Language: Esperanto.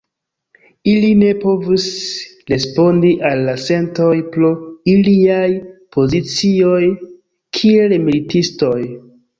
Ili ne povis respondi al la sentoj, pro iliaj pozicioj kiel militistoj.